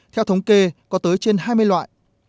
theo thống kê có tới trên hai mươi loại